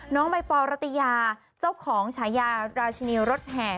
น้องใบปอลรัตยาเจ้าของฉายาราชินีรถแห่